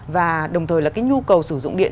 và đồng thời là cái nhu cầu sử dụng điện